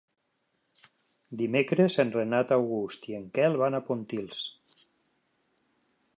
Dimecres en Renat August i en Quel van a Pontils.